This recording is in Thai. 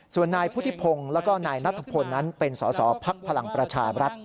ส่วนนายพุทธิพงศ์แล้วก็นายนัทพลนั้นเป็นสอสอภักดิ์พลังประชาบรัฐ